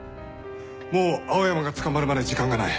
もう青山が捕まるまで時間がない。